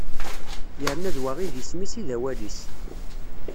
Yerna d wa i d isem-is i d awal-is.